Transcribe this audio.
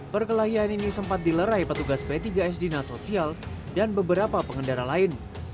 perkelahian ini sempat dilerai petugas p tiga sd nasosial dan beberapa pengendara lain